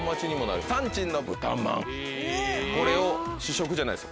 これを試食じゃないです